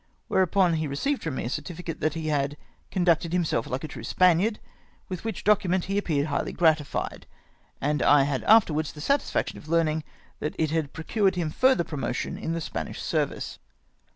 whereupon he received firom me a certificate that he had " conducted himself hke a true Spaniard," with which document he appeared highly gratified, and I had afterwards the satisfaction of learning that it procured him fmther promotion in the Spanish service!